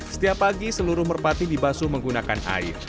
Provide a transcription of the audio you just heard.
setiap pagi seluruh merpati dibasu menggunakan air